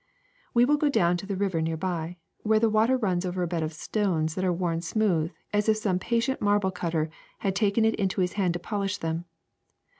^^We will go down to the river near by, where the water runs over a bed of stones that are worn smooth as if some patient marble cutter had taken it into his head to polish them.